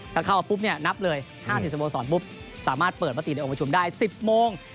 ถ้าเข้ามาปุ๊บเนี่ยนับเลย๕๐สโมสรปุ๊บสามารถเปิดมติในองค์ประชุมได้๑๐โมง